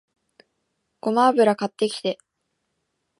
ごま油買ってきて